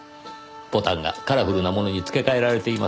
ボタンがカラフルなものに付け替えられています。